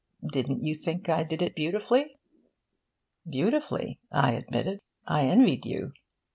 Didn't you think I did it beautifully?' 'Beautifully,' I admitted. 'I envied you.